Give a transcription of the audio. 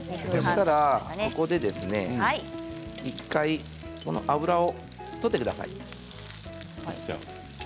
ここで１回、油を取ってください。